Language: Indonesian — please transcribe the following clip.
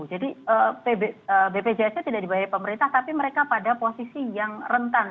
jadi bpjs nya tidak dibayar oleh pemerintah tapi mereka pada posisi yang rentan